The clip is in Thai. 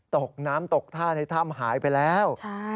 ตกน้ำตกท่าในถ้ำหายไปแล้ว